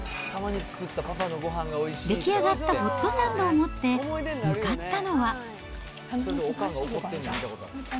出来上がったホットサンドを持って、向かったのは。